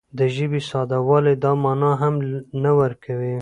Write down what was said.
د ژبې ساده والی دا مانا هم نه ورکوي